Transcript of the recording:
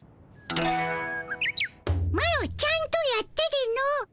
マロちゃんとやったでの。